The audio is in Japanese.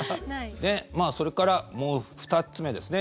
それから、２つ目ですね。